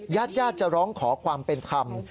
ญาติญาติจะร้องขอความเป็นธรรม